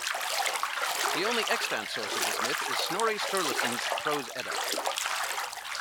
The only extant source of this myth is Snorri Sturluson's "Prose Edda".